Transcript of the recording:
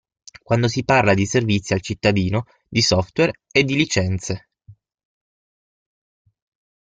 Quando si parla di servizi al cittadino, di software e di licenze.